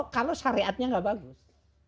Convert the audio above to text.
kalau syariatnya tidak bagus